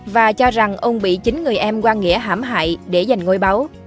và cho rằng ông bị chính người em quang nghĩa hạm hại để giành ngôi báu